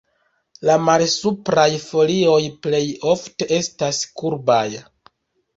La malsupraj folioj plej ofte estas kurbaj.